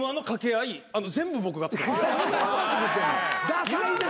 ダサいな。